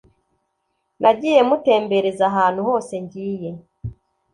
Nagiye mutembereza ahantu hose ngiye